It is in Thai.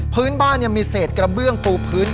พื้นบ้านมีเศษกระเบื้องปูพื้น